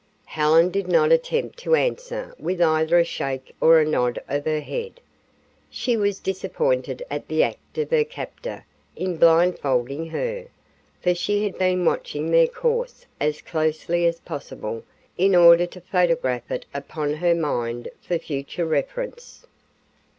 Helen did not attempt to answer with either a shake or a nod of her head. She was disappointed at the act of her captor in blindfolding her, for she had been watching their course as closely as possible in order to photograph it upon her mind for future reference.